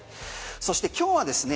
そして今日はですね